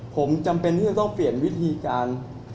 ผมจำเป็นที่จะต้องเปลี่ยนวิธีการ